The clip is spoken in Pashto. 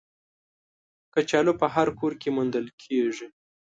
کچالو په هر کور کې موندل کېږي